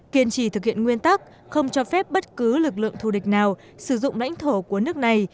kiên trì thực hiện nguyên tắc không cho phép bất cứ lực lượng thù địch nào sử dụng lãnh thổ của nước này